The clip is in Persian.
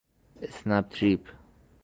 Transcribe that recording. اسنپ تریپ